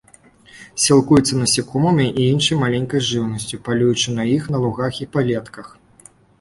Сілкуецца насякомымі і іншай маленькай жыўнасцю, палюючы на іх на лугах і палетках.